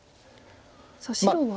さあ白は。